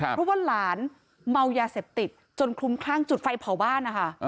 เพราะว่าหลานเมายาเสพติดจนคลุมคลั่งจุดไฟเผาบ้านนะคะ